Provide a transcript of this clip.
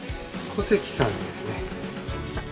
古関さんですね？